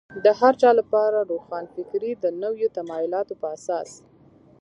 د هر چا لپاره روښانفکري د نویو تمایلاتو په اساس.